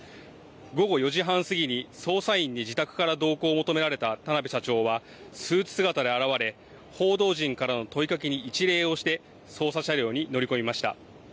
午後４時半過ぎに、捜査員に自宅から同行を求められた田邊社長は、スーツ姿で現れ、報道陣からの問いかけに一礼をして、捜査車両に乗り込みました。